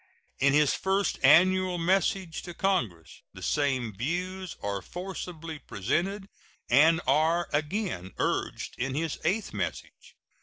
In his first annual message to Congress the same views are forcibly presented, and are again urged in his eighth message.